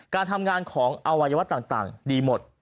การทำงานของอวัยวะต่างดีหมด